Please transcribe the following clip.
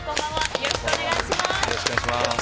よろしくお願いします。